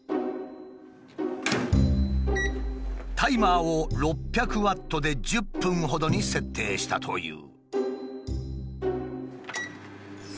タイマーを６００ワットで１０分ほどに設定したという。